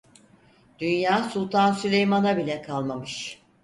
Dünya Sultan Süleyman'a bile kalmamış.